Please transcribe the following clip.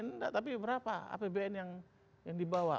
enggak tapi berapa apbn yang dibawa